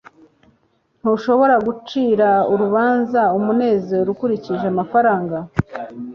ntushobora gucira urubanza umunezero ukurikije amafaranga